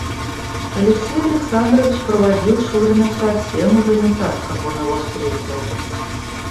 Алексей Александрович проводил шурина совсем уже не так, как он его встретил.